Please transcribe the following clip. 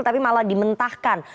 tapi malah dimentahkan